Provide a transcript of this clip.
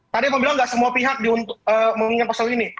tadi anda bilang tidak semua pihak mengingat pasal ini